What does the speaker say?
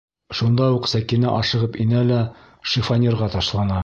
Шунда уҡ Сәкинә ашығып инә лә шифоньерға ташлана.